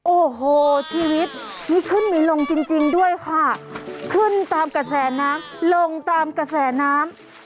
โอ้โหชีวิตมีขึ้นมีลงจริงจริงด้วยค่ะขึ้นตามกระแสน้ำลงตามกระแสน้ำ